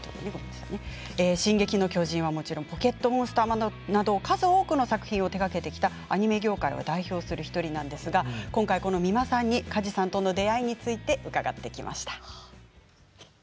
「進撃の巨人」はもちろん「ポケットモンスター」など数多くの作品を手がけてきたアニメ業界を代表する１人なんですが今回この三間さんに梶さんとの出会いについて伺ってきました。